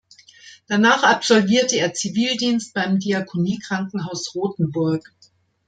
Danach absolvierte er Zivildienst beim Diakoniekrankenhaus Rotenburg.